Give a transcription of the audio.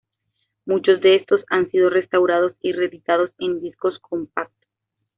Muchos de estos han sido restaurados y reeditados en Disco Compacto.